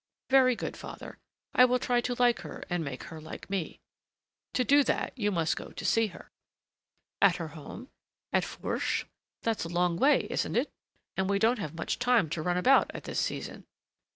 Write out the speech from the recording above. "Very good, father. I will try to like her and make her like me." "To do that you must go to see her." "At her home? At Fourche? That's a long way, isn't it? and we don't have much time to run about at this season."